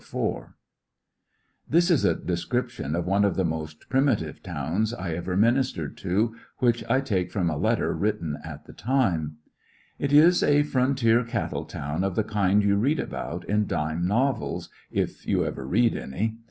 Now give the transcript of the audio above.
A border town This is a description of one of the most primitive towns I ever ministered to, which I take from a letter written at the time : "It is a frontier cattle town of the kind you read about in dime novels— if you ever read any.